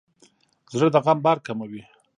زړه د غم بار کموي.